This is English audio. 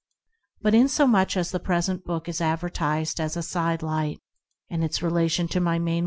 But, inasmuch as the present book is adver tised as a "Side Light/' and its relation to my main 6 Preface.